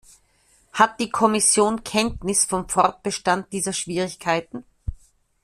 Hat die Kommission Kenntnis vom Fortbestand dieser Schwierigkeiten?